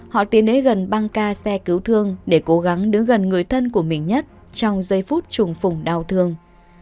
họ tiến đến gần ba ca xe cứu thương để cố gắng đứng gần người thân của mình nhất trong giây phút trùng phùng đau thương